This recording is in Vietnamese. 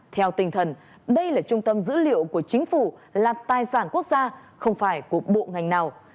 theo tinh thần đây là trung tâm dữ liệu của chính phủ là tài sản quốc gia không phải của bộ ngành nào